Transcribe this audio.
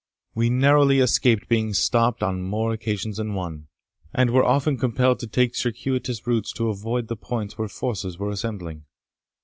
We narrowly escaped being stopped on more occasions than one, and were often compelled to take circuitous routes to avoid the points where forces were assembling.